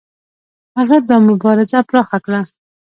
هغه دا مبارزه پراخه کړه.